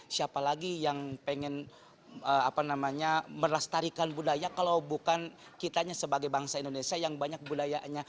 siapa lagi yang pengen melestarikan budaya kalau bukan kitanya sebagai bangsa indonesia yang banyak budayanya